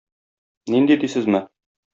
Нинди дисезме?